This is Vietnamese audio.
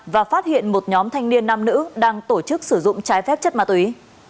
và phát hiện một nhóm thanh niên nam nữ đang tổ chức sử dụng trái phép chất ma túy